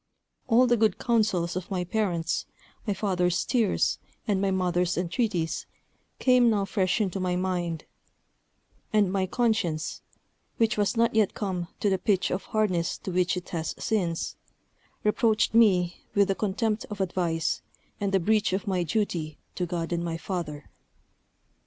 All the good counsels of my parents, my father's tears and my mother's entreaties, came now fresh into my mind; and my conscience, which was not yet come to the pitch of hardness to which it has since, reproached me with the contempt of advice, and the breach of my duty to God and my father.